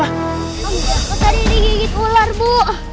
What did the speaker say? aku tadi digigit ular bu